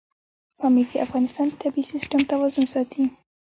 پامیر د افغانستان د طبعي سیسټم توازن ساتي.